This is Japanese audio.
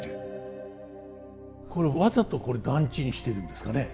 これわざと段違にしてるんですかね。